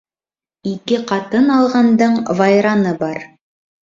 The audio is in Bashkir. Ике ҡатын алғандың вайраны бар.